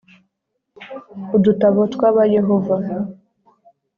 udutabo twaba Yehova